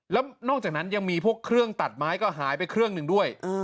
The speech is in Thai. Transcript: แล้วนอกจากนั้นยังมีพวกเครื่องตัดไม้ก็หายไปเครื่องหนึ่งด้วย